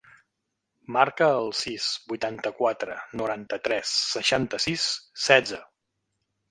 Marca el sis, vuitanta-quatre, noranta-tres, seixanta-sis, setze.